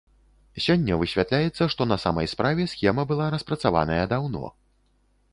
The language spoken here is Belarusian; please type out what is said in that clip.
Сёння высвятляецца, што на самай справе схема была распрацаваная даўно.